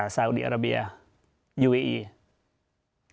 สาวอุดีอาราเบียยูเออี